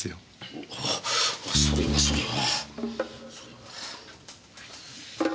あそれはそれは。